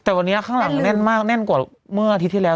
แต่วันนี้ข้างหลังแน่นมากแน่นกว่าเมื่ออาทิตย์ที่แล้ว